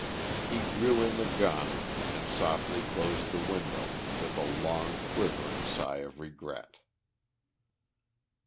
He drew in the gun, and softly closed the window, with a long quivering sigh of regret.